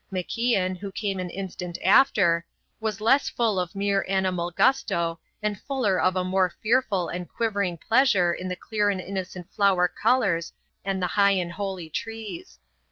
MacIan, who came an instant after, was less full of mere animal gusto and fuller of a more fearful and quivering pleasure in the clear and innocent flower colours and the high and holy trees.